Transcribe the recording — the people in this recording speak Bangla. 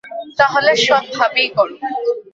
তাহলে সব ভাবেই করো।